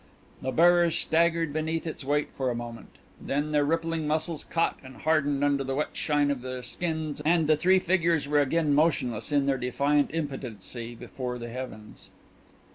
The bearers staggered beneath its weight for a moment then their rippling muscles caught and hardened under the wet shine of the skins and the three figures were again motionless in their defiant impotency before the heavens.